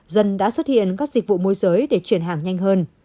dân đã xuất hiện các dịch vụ môi giới để chuyển hàng nhanh hơn